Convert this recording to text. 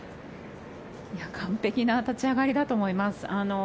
完璧な立ち上がりだと思います。